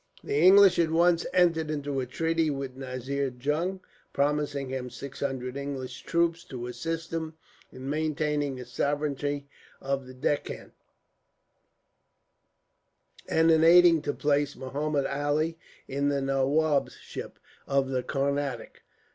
"The English at once entered into a treaty with Nazir Jung, promising him six hundred English troops; to assist him in maintaining his sovereignty of the Deccan, and in aiding to place Muhammud Ali in the nawabship of the Carnatic.